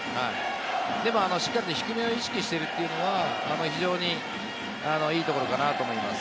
でもしっかりと低めを意識しているというのは非常にいいところかなと思います。